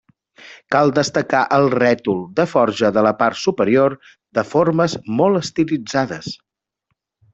Cal destacar el rètol de forja de la part superior, de formes molt estilitzades.